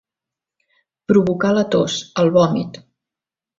Provocar la tos, el vòmit.